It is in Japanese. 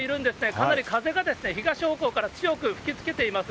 かなり風が東方向から強く吹きつけています。